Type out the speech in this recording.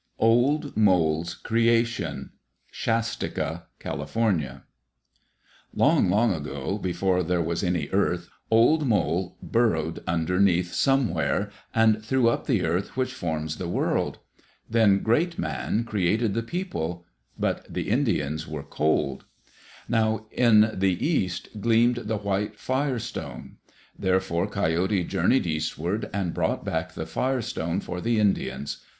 Old Mole's Creation Shastika (Cal.) Long, long ago, before there was any earth, Old Mole burrowed underneath Somewhere, and threw up the earth which forms the world. Then Great Man created the people. But the Indians were cold. Now in the cast gleamed the white Fire Stone. Therefore Coyote journeyed eastward, and brought back the Fire Stone for the Indians.